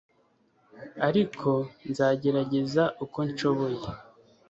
Ariko nzagerageza uko nshoboye